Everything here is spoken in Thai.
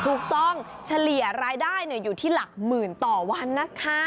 เฉลี่ยรายได้อยู่ที่หลักหมื่นต่อวันนะคะ